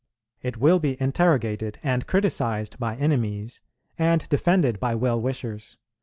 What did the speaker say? It will be interrogated and criticized by enemies, and defended by well wishers.